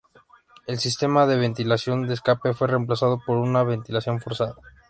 El sistema de ventilación de escape fue reemplazado por una ventilación forzada.